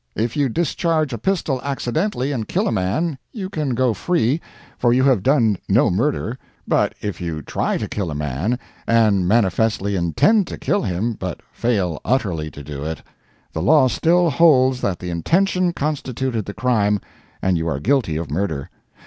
If you discharge a pistol accidentally, and kill a man, you can go free, for you have done no murder; but if you try to kill a man, and manifestly intend to kill him, but fail utterly to do it, the law still holds that the intention constituted the crime, and you are guilty of murder.